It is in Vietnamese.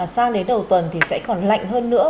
sang đến đầu tuần thì sẽ còn lạnh hơn nữa